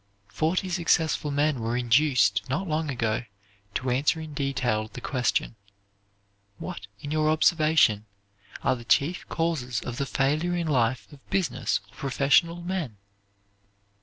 Forty successful men were induced, not long ago, to answer in detail the question, "What, in your observation, are the chief causes of the failure in life of business or professional men?"